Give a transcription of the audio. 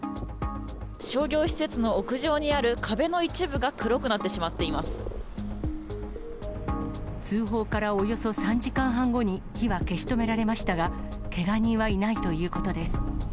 商業施設の屋上にある壁の一通報からおよそ３時間半後に火は消し止められましたが、けが人はいないということです。